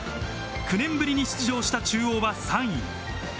９年ぶりに出場した中央は３位。